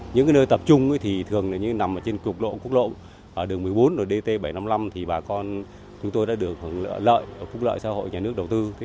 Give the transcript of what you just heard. những nơi tập trung thường nằm trên cục lộ quốc lộ đường một mươi bốn đường dt bảy trăm năm mươi năm bà con đã được hưởng lợi phúc lợi xã hội nhà nước đầu tư